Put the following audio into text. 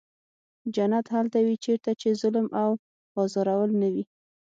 جنت هلته وي چېرته چې ظلم او ازارول نه وي.